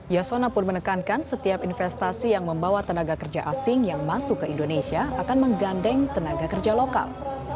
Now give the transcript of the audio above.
yasona pun menekankan setiap investasi yang membawa tenaga kerja asing yang masuk ke indonesia akan menggandeng tenaga kerja lokal